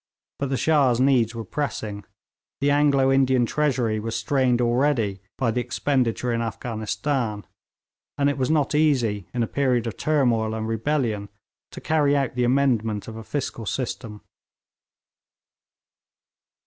But the Shah's needs were pressing; the Anglo Indian treasury was strained already by the expenditure in Afghanistan; and it was not easy in a period of turmoil and rebellion to carry out the amendment of a fiscal system.